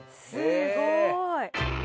すごい！